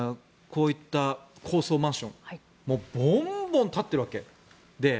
こういった高層マンションボンボン立ってるわけ。